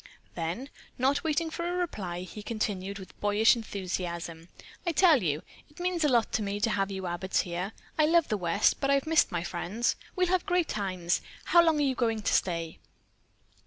Then, not waiting for her reply, he continued with boyish enthusiasm: "I tell you, it means a lot to me to have you Abbotts here. I love the West, but I've missed my friends. We'll have great times! How long are you going to stay?"